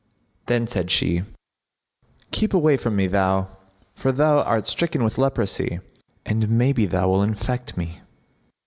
Then said she, "Keep away from me, thou! for thou art stricken with leprosy, and maybe thou wilt infect me."